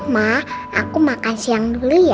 mak aku makan siang dulu ya